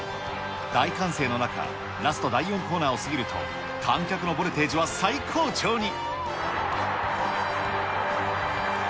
大歓声の中、ラスト第４コーナーを過ぎると、観客のボルテージは最高潮に。